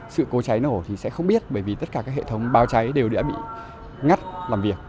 sự cố cháy nổ thì sẽ không biết bởi vì tất cả các hệ thống báo cháy đều đã bị ngắt làm việc